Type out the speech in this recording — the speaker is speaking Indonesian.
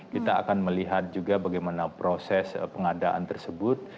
kita akan melihat juga bagaimana proses pengadaan tersebut